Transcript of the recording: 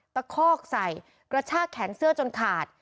คอกใส่กระชากแขนเสื้อจนขาด